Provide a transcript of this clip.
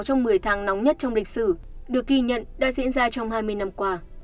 trong một mươi tháng nóng nhất trong lịch sử được ghi nhận đã diễn ra trong hai mươi năm qua